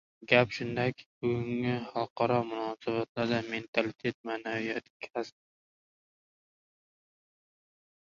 Gap shundaki, bugungi xalqaro munosabatlarda mentalitet, maʼnaviyat kabi absurdizmning oʻrni yoʻq.